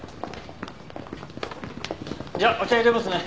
じゃあお茶いれますね。